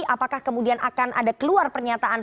apakah kemudian akan ada keluar pernyataan